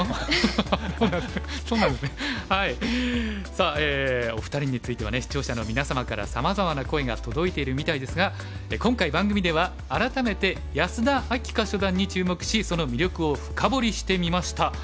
さあお二人についてはね視聴者の皆様からさまざまな声が届いているみたいですが今回番組では改めて安田明夏初段に注目しその魅力を深掘りしてみました。